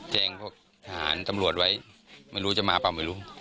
แจ้งแผนตำรวจไว้ไม่รู้จะมาปะไม่รู้